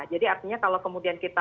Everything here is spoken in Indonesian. jadi artinya kalau kemudian kita